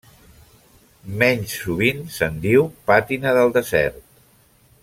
Menys sovint se'n diu pàtina del desert.